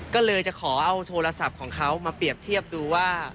ก็เลยจะขอเอาโทรศัพท์ของเขามาเปรียบเทียบดูว่า